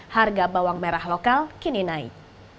harga bawang merah lokal kini naik